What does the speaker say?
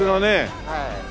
はい。